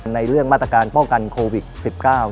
ในเรื่องมาตรการป้องกันโควิด๑๙